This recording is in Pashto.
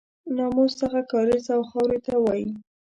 ناموس دغه کاریز او خاورې ته وایي.